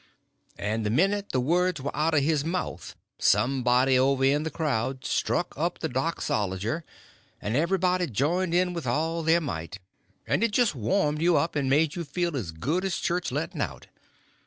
And the minute the words were out of his mouth somebody over in the crowd struck up the doxolojer, and everybody joined in with all their might, and it just warmed you up and made you feel as good as church letting out.